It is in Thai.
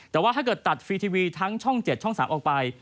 แต่ว่าถ้าเกิดตัดฟรีทีวีทั้งช่อง๗ช่อง๓ออกไป